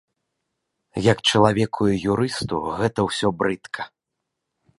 Як чалавеку і юрысту гэта ўсё брыдка.